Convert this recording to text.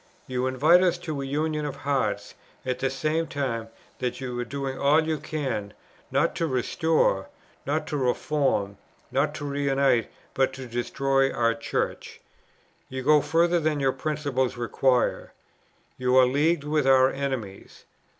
You invite us to a union of hearts, at the same time that you are doing all you can, not to restore, not to reform, not to re unite, but to destroy our Church. You go further than your principles require. You are leagued with our enemies.